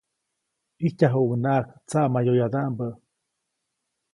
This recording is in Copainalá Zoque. ʼIjtyajuʼuŋnaʼajk tsaʼmayoyadaʼmbä.